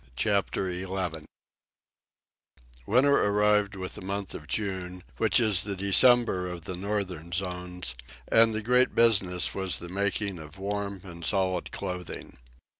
Chapter 11 Winter arrived with the month of June, which is the December of the northern zones, and the great business was the making of warm and solid clothing.